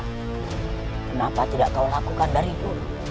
kenapa tidak kau lakukan dari dulu